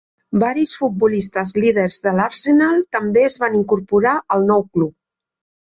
Varis futbolistes líders de l'Arsenal també es van incorporar al nou club.